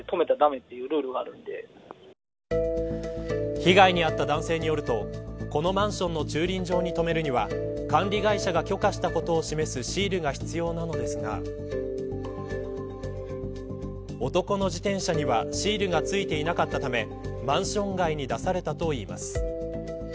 被害に遭った男性によるとこのマンションの駐輪場に止めるには管理会社が許可したことを示すシールが必要なのですが男の自転車にはシールが付いていなかったためマンション外に出されたといいます。